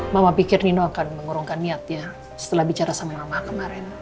mama pikir nino akan mengurungkan niatnya setelah bicara sama mama kemarin